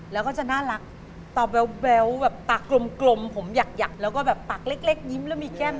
แล้วก็จะน่ารักตอบแว๊วแบบปากกลมผมหยักแล้วก็แบบปากเล็กยิ้มแล้วมีแก้ม